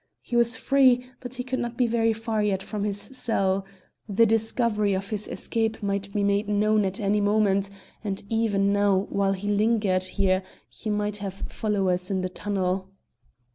He was free, but he could not be very far yet from his cell; the discovery of his escape might be made known at any moment; and even now while he lingered here he might have followers in the tunnel.